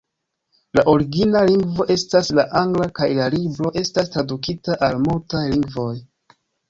La origina lingvo estas la angla, kaj la libro estas tradukita al multaj lingvoj.